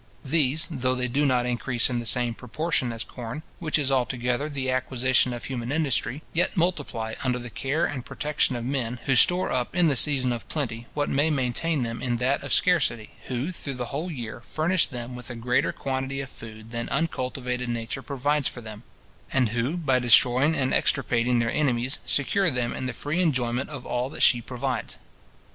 These, though they do not increase in the same proportion as corn, which is altogether the acquisition of human industry, yet multiply under the care and protection of men, who store up in the season of plenty what may maintain them in that of scarcity; who, through the whole year, furnish them with a greater quantity of food than uncultivated nature provides for them; and who, by destroying and extirpating their enemies, secure them in the free enjoyment of all that she provides.